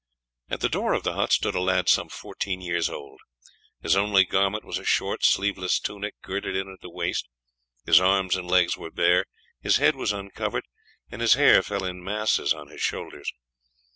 At the door of the hut stood a lad some fourteen years old. His only garment was a short sleeveless tunic girded in at the waist, his arms and legs were bare; his head was uncovered, and his hair fell in masses on his shoulders.